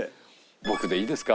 僕でいいですか？